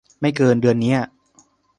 ไม่เกิน เดือนเนี้ย